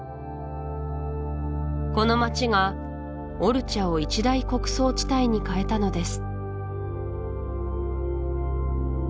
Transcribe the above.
この街がオルチャを一大穀倉地帯に変えたのです